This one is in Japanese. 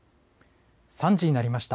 ３時になりました。